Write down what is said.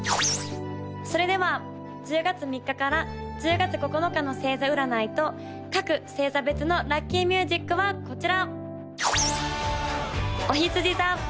それでは１０月３日から１０月９日の星座占いと各星座別のラッキーミュージックはこちら！